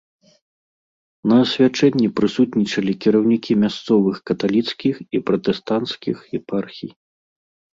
На асвячэнні прысутнічалі кіраўнікі мясцовых каталіцкіх і пратэстанцкіх епархій.